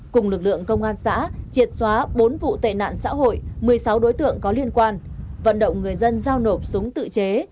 cùng lực lượng công an xã triệt xóa bốn vụ tệ nạn xã hội một mươi sáu đối tượng có liên quan vận động người dân giao nộp súng tự chế